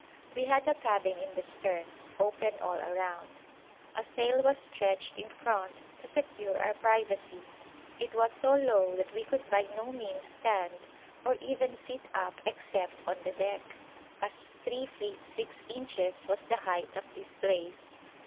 We had a cabin in the stern, open all round; a sail was stretched in front to secure our privacy; it was so low that we could by no means stand or even sit up except on the deck, as 3 feet 6 inches was the height of this place.